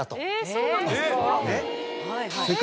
そうなんですか？